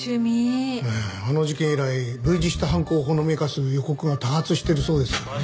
あの事件以来類似した犯行をほのめかす予告が多発してるそうですからね。